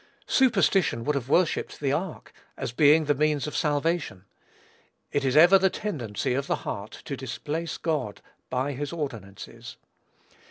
Superstition would have worshipped the ark, as being the means of salvation. It is ever the tendency of the heart to displace God by his ordinances.